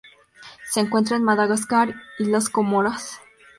Se encuentra en Madagascar y las Comoras.